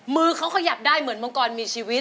มือเขาขยับได้เหมือนมังกรมีชีวิต